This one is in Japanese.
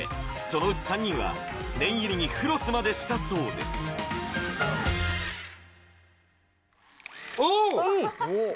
そのうち３人は念入りにフロスまでしたそうですおっ！